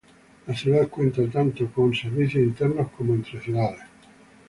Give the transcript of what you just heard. La ciudad cuenta tanto con servicios internos como entre ciudades.